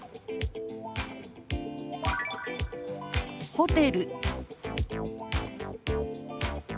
「ホテル」。